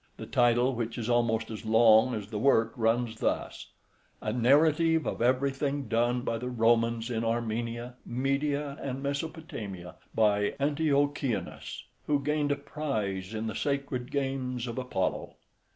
The title, which is almost as long as the work, runs thus: "A narrative of everything done by the Romans in Armenia, Media, and Mesopotamia, by Antiochianus, who gained a prize in the sacred games of Apollo."